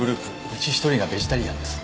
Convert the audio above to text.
うち１人がベジタリアンです。